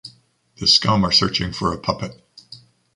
The scum are searching for a puppet.